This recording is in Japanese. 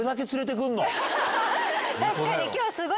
確かに。